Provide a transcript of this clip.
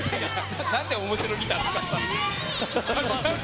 なんでおもしろギター使ったんですか。